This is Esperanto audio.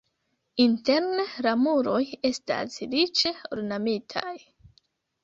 Interne la muroj estas riĉe ornamitaj.